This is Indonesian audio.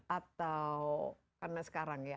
atau karena sekarang ya